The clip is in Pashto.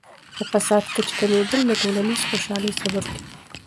د فساد کچې کمیدل د ټولنیز خوشحالۍ سبب کیږي.